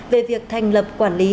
về việc thành lập quản lý